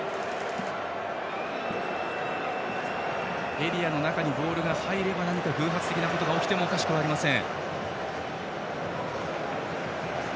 エリアの中にボールが入れば何か偶発的なことが起きてもおかしくありません。